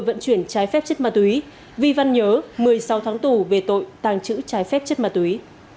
vận chuyển trái phép chất ma túy vi văn nhớ một mươi sáu tháng tù về tội tàng trữ trái phép chất ma túy